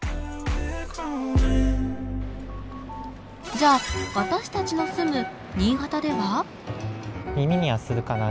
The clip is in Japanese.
じゃあ私たちの住む新潟では？